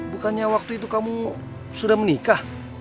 bukannya waktu itu kamu sudah menikah